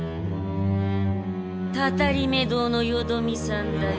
たたりめ堂のよどみさんだよ。